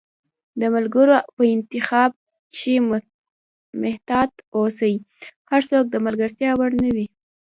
د ملګرو په انتخاب کښي محتاط اوسی، هرڅوک د ملګرتیا وړ نه وي